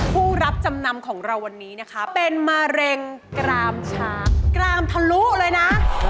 ผู้รับจำนำของเราวันนี้นะคะเป็นมะเร็งกรามช้างกรามทะลุเลยนะ